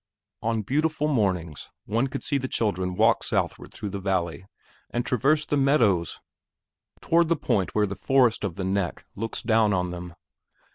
On beautiful mornings, one could see the children walk southward through the valley, and traverse the meadows toward the point where the forest of the "neck" looks down on them.